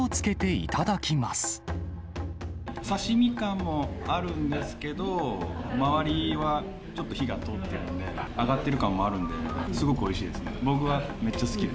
刺身感もあるんですけど、周りはちょっと火が通ってるんで、揚がってる感もあるんで、すごくおいしいですね。